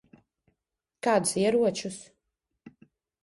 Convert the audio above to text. Kādus ieročus?